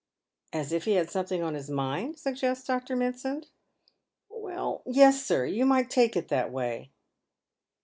" As if he had something on his mind ?" suggests Dr. Mit SRnd. " \Vell, yes, sir. You might take it that way."